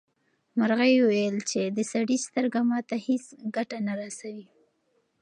مرغۍ وویل چې د سړي سترګه ماته هیڅ ګټه نه رسوي.